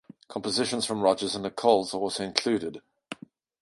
Compositions from Rogers and Nichols are also included.